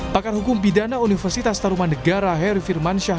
pakar hukum pidana universitas taruman negara heri firmansyah